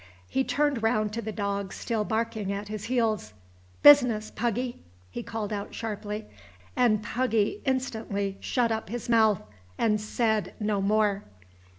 He turned round to the dog still barking at his heels. "Business, Puggy!" he called out sharply, and Puggy instantly shut up his mouth, and said no more.